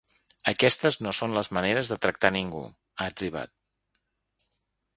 Aquestes no són les maneres de tractar ningú, ha etzibat.